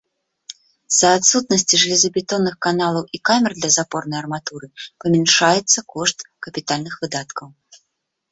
З-за адсутнасці жалезабетонных каналаў і камер для запорнай арматуры памяншаецца кошт капітальных выдаткаў.